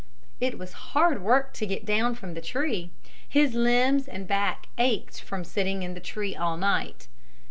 It was hard work to get down from the tree. His limbs and back ached from sitting in the tree all night.